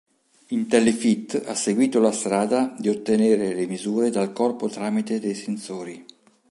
Intelli-fit ha seguito la strada di ottenere le misure del corpo tramite dei sensori.